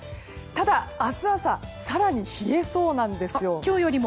ただ、明日朝更に冷えそうなんですよ。